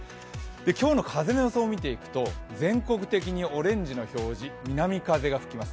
今日の風の予想を見ていくと、全国的にオレンジの表示、南風が吹きます。